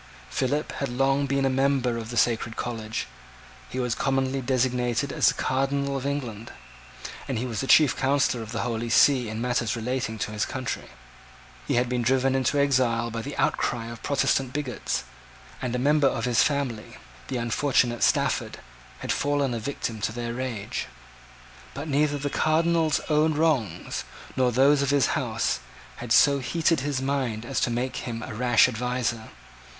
Philip had long been a member of the sacred college: he was commonly designated as the Cardinal of England; and he was the chief counsellor of the Holy See in matters relating to his country. He had been driven into exile by the outcry of Protestant bigots; and a member of his family, the unfortunate Stafford, had fallen a victim to their rage. But neither the Cardinal's own wrongs, nor those of his house, had so heated his mind as to make him a rash adviser.